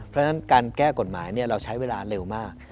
เพราะฉะนั้นการแก้กฎหมายเราใช้เวลาเร็วมาก